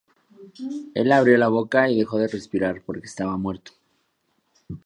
Él abrió la boca y dejó de respirar, porque estaba muerto.